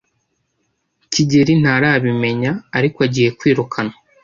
kigeli ntarabimenya, ariko agiye kwirukanwa.